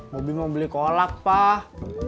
mobi mau beli kolak pak